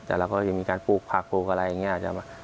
แต่เราก็ยังมีการปลูกผักปลูกอะไรอย่างนี้